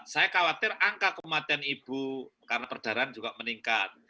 saya khawatir angka kematian ibu karena perdarahan juga meningkat